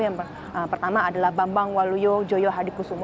yang pertama adalah bambang waluyo joyo hadikusumo